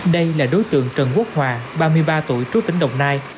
đây là đối tượng trần quốc hòa ba mươi ba tuổi trú tỉnh đồng nai